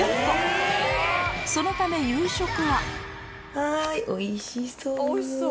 そのためはいおいしそう。